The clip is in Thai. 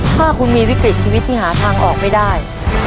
ถ้าคุณมีวิกฤตชีวิตที่หาทางออกไม่ได้